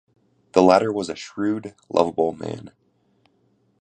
The latter was a shrewd, lovable man.